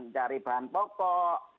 cari bahan pokok